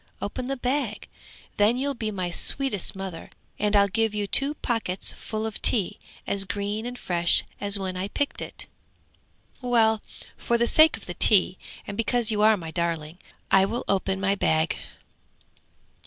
Open the bag! then you'll be my sweetest mother, and I'll give you two pockets full of tea as green and fresh as when I picked it!' 'Well, for the sake of the tea, and because you are my darling, I will open my bag!'